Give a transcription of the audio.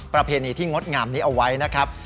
ประเพณีที่งดงามนี้เอาไว้นะครับ